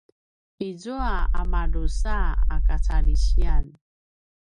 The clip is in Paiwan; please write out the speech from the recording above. izua a madrusa a kacalisiyan